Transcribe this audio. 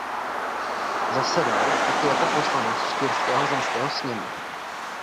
Zasedal taky jako poslanec Štýrského zemského sněmu.